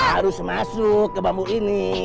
harus masuk ke bambu ini